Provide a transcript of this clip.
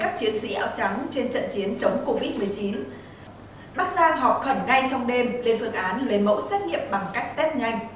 bác giang họp khẩn ngay trong đêm lên phương án lấy mẫu xét nghiệm bằng cách test nhanh